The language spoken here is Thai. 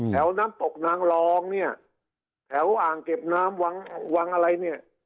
น้ำตกนางรองเนี่ยแถวอ่างเก็บน้ำวังอะไรเนี่ย